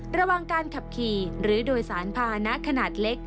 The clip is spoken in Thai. ระวังการขับขี่หรือโดยสารพานะขนาดเล็ก